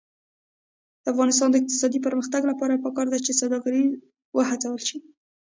د افغانستان د اقتصادي پرمختګ لپاره پکار ده چې سوداګر وهڅول شي.